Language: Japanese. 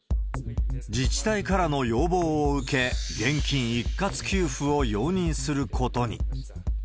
自治体からの要望を受け、現金一括給付を容認することに。